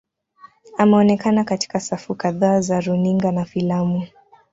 Ameonekana katika safu kadhaa za runinga na filamu.